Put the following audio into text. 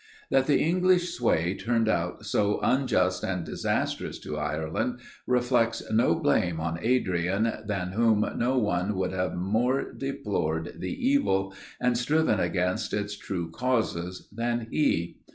That the English sway turned out so unjust and disastrous to Ireland, reflects no blame on Adrian, than whom no one would have more deplored the evil, and striven against its true causes, than he.